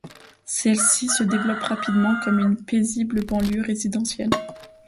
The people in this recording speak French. Celle-ci se développe rapidement comme une paisible banlieue résidentielle.